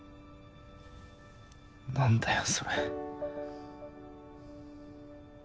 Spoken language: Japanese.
何だよそれ。